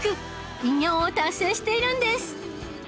偉業を達成しているんです